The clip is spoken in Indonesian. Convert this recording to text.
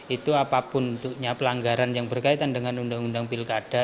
itu apapun pelanggaran yang berkaitan dengan undang undang pilkada